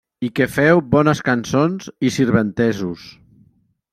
I que feu bones cançons i sirventesos.